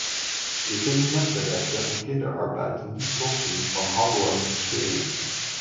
Je kunt mensenrechten en kinderarbeid niet los zien van handel en investeringen.